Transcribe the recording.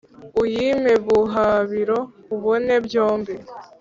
uyimpe buhabiro ubone byombi,